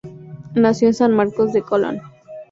Nació en San Marcos de Colón.